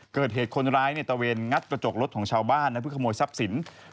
เกิดเหตุคนร้ายตะเวนงัดกระจกรถของชาวบ้านเพื่อขโมยทรัพย์สิน